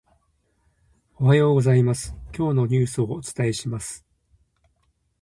おはようございます、今日のニュースをお伝えします。